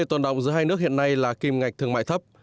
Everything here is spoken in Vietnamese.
vấn đề toàn động giữa hai nước hiện nay là kim ngạch thương mại thấp